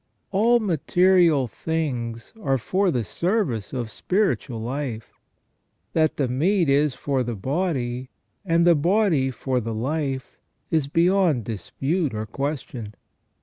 All material things are for the service of spiritual life. That the meat is for the body, and the body for the life, is beyond dispute or question.